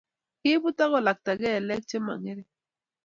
kiiput ak kolakta kelek chemong'ering